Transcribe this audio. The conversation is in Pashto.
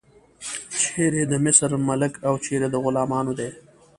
چیرې د مصر ملک او چیرې د غلامانو دی.